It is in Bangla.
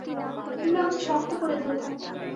তুমি আমাকে শক্ত করে ধরে থাক।